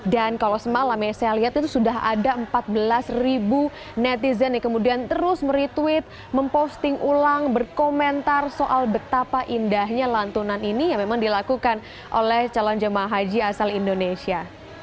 dan kalau semalam saya lihat itu sudah ada empat belas ribu netizen yang kemudian terus meretweet memposting ulang berkomentar soal betapa indahnya lantunan ini yang memang dilakukan oleh calon jemaah haji asal indonesia